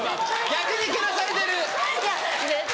逆にけなされてる。